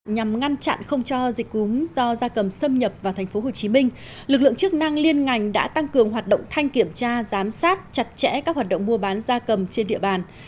nhằm ngăn chặn không cho dịch cúm do da cầm xâm nhập vào tp hcm lực lượng chức năng liên ngành đã tăng cường hoạt động thanh kiểm tra giám sát chặt chẽ các hoạt động mua bán da cầm trên địa bàn